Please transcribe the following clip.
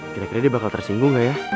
kira kira dia bakal tersinggung nggak ya